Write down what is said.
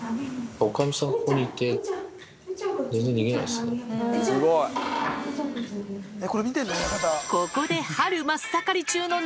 おかみさんがここにいて、全然逃げないですね。